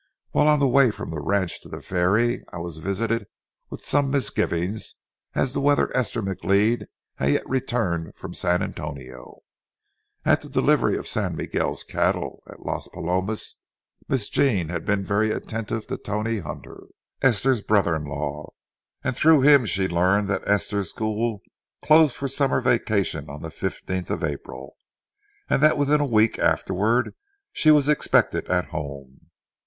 While on the way from the ranch to the ferry, I was visited with some misgivings as to whether Esther McLeod had yet returned from San Antonio. At the delivery of San Miguel's cattle at Las Palomas, Miss Jean had been very attentive to Tony Hunter, Esther's brother in law, and through him she learned that Esther's school closed for the summer vacation on the fifteenth of April, and that within a week afterward she was expected at home.